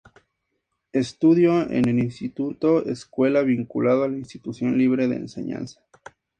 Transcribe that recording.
Estudió en el Instituto Escuela, vinculado a la Institución Libre de Enseñanza.